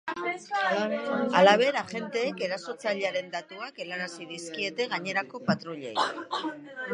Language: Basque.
Halaber, agenteek erasotzailearen datuak helarazi dizkiete gainerako patruilei.